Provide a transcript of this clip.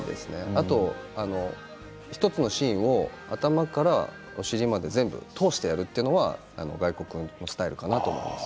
あと１つのシーンを頭からお尻まで通してやるというのが外国のスタイルかなと思います。